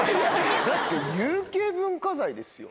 だって有形文化財ですよ。